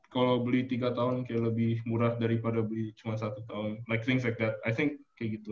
kalau beli tiga tahun kayak lebih murah daripada beli cuma satu tahun like things like that i think kayak gitu